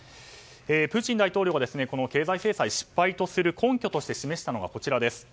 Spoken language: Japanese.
プーチン大統領は経済制裁が失敗とする根拠として示したのがこちらです。